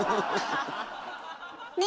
ねえ